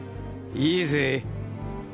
いいぜ。